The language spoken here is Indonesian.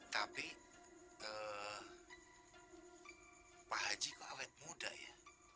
tapi pak haji kok awet muda ya